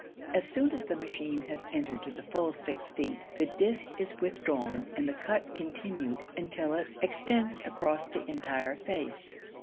As soon as the machine has entered to the full six feet, the disk is withdrawn and the cut continued until it extends across the entire face.